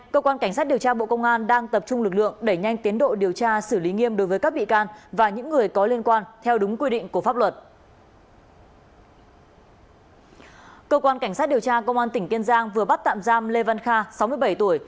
cơ quan cảnh sát điều tra công an tỉnh kiên giang vừa bắt tạm giam lê văn kha sáu mươi bảy tuổi